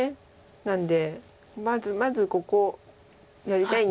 なんでまずここをやりたいんですが。